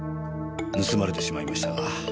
盗まれてしまいましたが。